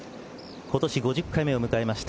今年５０回目を迎えました